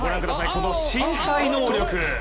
この身体能力。